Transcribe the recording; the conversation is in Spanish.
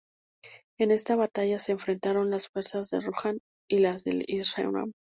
En esta batalla se enfrentaron las fuerzas de Rohan y las de Isengard.